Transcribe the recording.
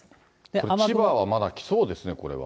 これ、千葉はまだ来そうですね、これは。